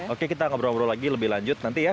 oke kita ngobrol ngobrol lagi lebih lanjut nanti ya